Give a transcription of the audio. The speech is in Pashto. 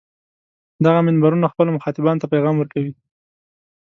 دغه منبرونه خپلو مخاطبانو ته پیغام ورکوي.